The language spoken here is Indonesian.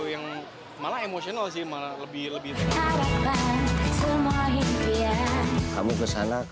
yang malah emosional sih malah lebih lebih